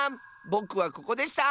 ぼくはここでした！